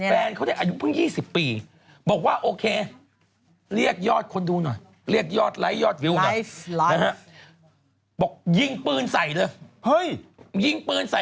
แฟนเขาเนี่ยอายุเพิ่ง๒๐ปี